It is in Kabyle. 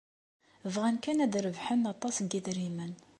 Bɣan kan ad d-rebḥen aṭas n yedrimen.